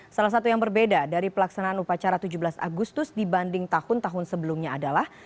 salah satu yang berbeda dari pelaksanaan upacara tujuh belas agustus dibanding tahun tahun sebelumnya adalah